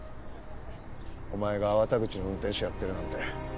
お前が粟田口の運転手やってるなんて。